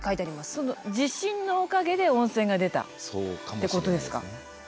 その地震のおかげで温泉が出たってことですか？